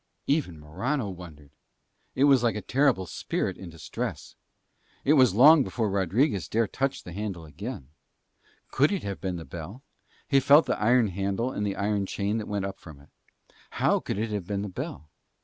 Even Morano wondered. It was like a terrible spirit in distress. It was long before Rodriguez dare touch the handle again. Could it have been the bell? He felt the iron handle and the iron chain that went up from it. How could it have been the bell!